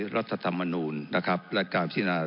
รัฐธรรมนูลนะครับและการพินา